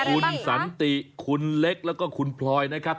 คุณสันติคุณเล็กแล้วก็คุณพลอยนะครับ